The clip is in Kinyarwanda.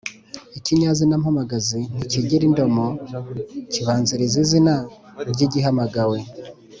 Ikinyazina mpamagazi ntikigira indomo, kibanziriza izina ry’igihamagawe